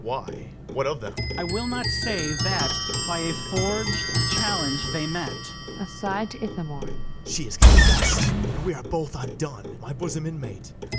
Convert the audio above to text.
Why, what of them? FRIAR BARNARDINE. I will not say that by a forged challenge they met. BARABAS. She has confess'd, and we are both undone, My bosom inmate!